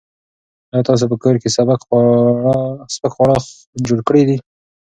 ایا تاسو په کور کې سپک خواړه جوړ کړي دي؟